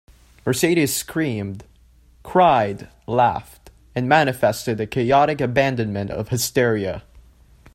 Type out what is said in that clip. Mercedes screamed, cried, laughed, and manifested the chaotic abandonment of hysteria.